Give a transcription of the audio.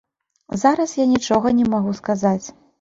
Зараз я нічога не магу сказаць.